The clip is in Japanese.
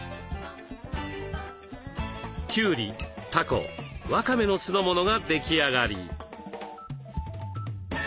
きゅうりたこわかめの酢の物が出来上がり。